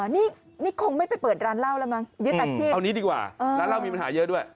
นี่นี่คงไม่ไปเปิดร้านเล่าแล้วมั้งอืมเอานิดค่ะละมีปัญหาเยอะด้วย